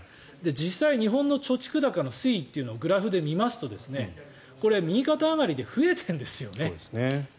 実際、日本の貯蓄高の推移をグラフで見ますとこれ、右肩上がりで増えているんですよね。